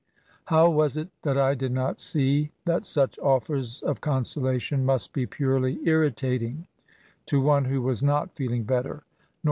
How was it that I did not ^ee diat such offers of consolation must be purely irritating to one who was jipt feeling better, nor 14 ESSAYS.